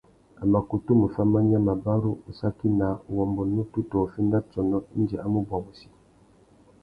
A mà kutu mù fá manya, mabarú, ussaki naā, uwômbô nutu tô uffénda tsônô indi a mù bwa wussi.